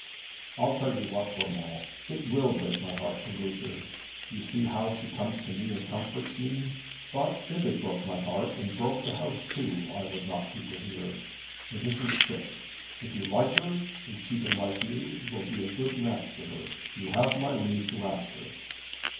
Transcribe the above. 'I'll tell you what, Urmand, it will break my heart to lose her. Do you see how she comes to me and comforts me? But if it broke my heart, and broke the house too, I would not keep her here. It isn't fit. If you like her, and she can like you, it will be a good match for her. You have my leave to ask her.